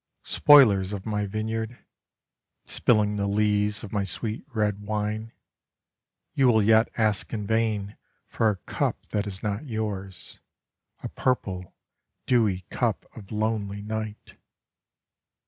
Spoilers of my vineyard, Spilling the lees of my sweet red wine, You will yet ask in vain for a cup that is not yours, A purple, dewy cup of lonely night.